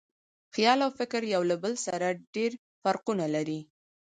خیال او فکر یو له بل سره ډېر فرقونه لري.